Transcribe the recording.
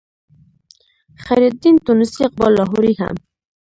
خیرالدین تونسي اقبال لاهوري هم